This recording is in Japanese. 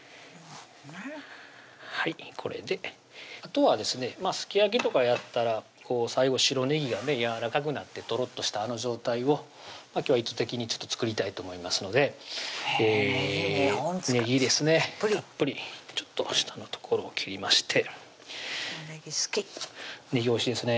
はいこれであとはですねすき焼きとかやったら最後白ねぎがねやわらかくなってとろっとしたあの状態を今日は意図的に作りたいと思いますのでへぇねぎ２本使うたっぷりたっぷりちょっと下の所を切りましてねぎ好きねぎおいしいですね